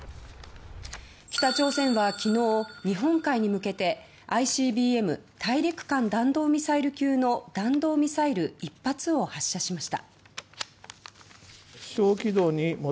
北朝鮮は昨日、日本海に向けてＩＣＢＭ・大陸間弾道ミサイル級の弾道ミサイル１発を発射しました。